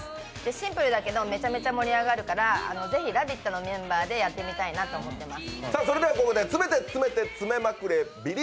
シンプルだけどめちゃめちゃ盛り上がるからぜひ「ラヴィット！」のメンバーでやってみたいと思います。